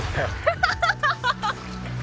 ハハハハ！